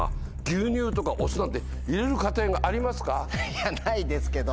いやないですけど。